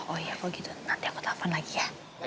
oh iya kalau gitu nanti aku telfon lagi ya